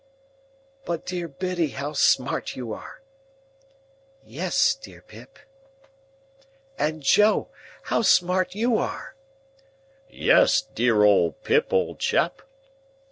"But dear Biddy, how smart you are!" "Yes, dear Pip." "And Joe, how smart you are!" "Yes, dear old Pip, old chap."